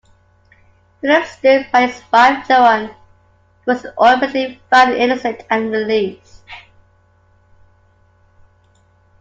Philip stood by his wife Joan, who was ultimately found innocent and released.